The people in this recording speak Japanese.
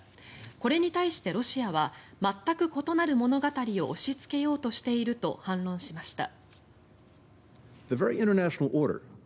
これに対してロシアは全く異なる物語を押しつけようとしていると反論しました。